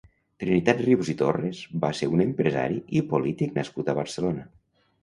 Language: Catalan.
Trinitat Rius i Torres va ser un empresari i polític nascut a Barcelona.